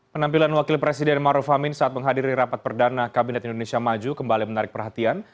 penampilan wakil presiden maruf amin saat menghadiri rapat perdana kabinet indonesia maju kembali menarik perhatian